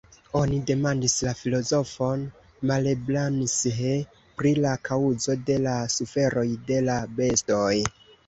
Oni demandis la filozofon Malebranche pri la kaŭzo de la suferoj de la bestoj.